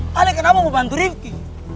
kalian kenapa mau bantu rifqi